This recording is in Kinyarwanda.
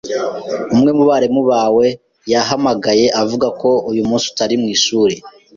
Umwe mu barimu bawe yahamagaye avuga ko uyu munsi utari mu ishuri.